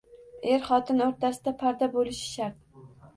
Er-xotin o‘rtasida parda bo‘lishi shart.